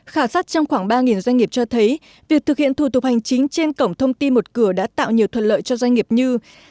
khoảng ba doanh nghiệp cho thấy việc thực hiện thủ tục hành chính trên cổng thông tin một cửa đã tạo nhiều thuận lợi cho doanh nghiệp như